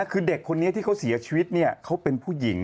คือเด็กคนนี้ที่เขาเสียชีวิตเขาเป็นผู้หญิง